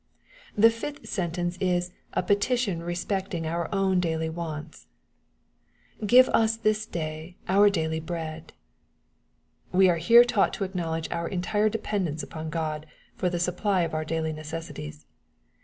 The fifth sentence is a petition respecting our ovm daily wants: " give us this day our daily bread." We are here taught to acknowledge our entire dependence on God, for the supply of our daily necessities.